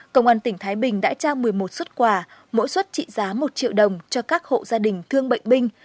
công an tỉnh thái bình đã trao một mươi một xuất quà mỗi xuất trị giá một triệu đồng cho các hộ gia đình thương bệnh binh